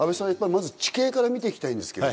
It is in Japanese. まず地形から見て行きたいんですけど。